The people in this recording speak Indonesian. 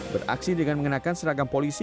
beraksi dengan mengenakan seragam polisi